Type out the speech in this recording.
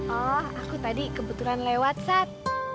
oh aku tadi kebetulan lewat sat